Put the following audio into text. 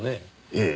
ええ。